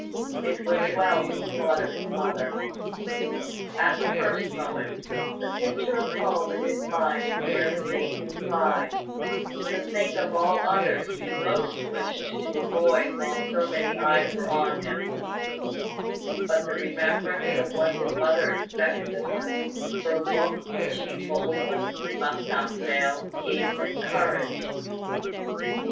It was well he thought of his mother. At the first moment, the picture of home in his mind nearly made him cry the thing of all others he most wished to avoid while so many eyes were on him; but the remembrance of what his mother expected of him her look when she told him he must not fail, gave him courage.